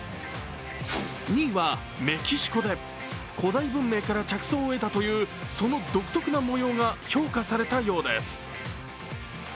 ２位はメキシコで古代文明から着想を得たというその独特の模様が評価されたようです。